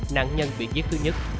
nạn nhân bị giết thứ nhất